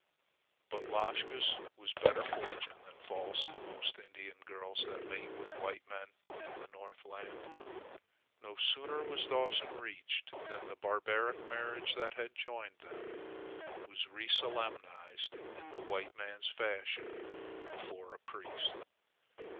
But Lashka's was better fortune than falls to most Indian girls that mate with white men in the Northland. No sooner was Dawson reached than the barbaric marriage that had joined them was re solemnized, in the white man's fashion, before a priest.